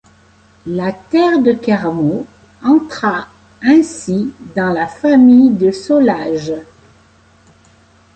La terre de Carmaux entra ainsi dans la famille de Solages.